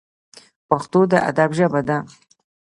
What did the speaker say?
پښتو د ادب ژبه ده